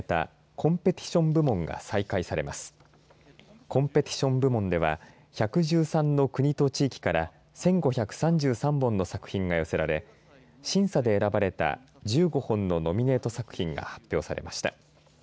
コンペティション部門では１１３の国と地域から１５３３本の作品が寄せられ審査で選ばれた１５本のノミネート作品が発表されました。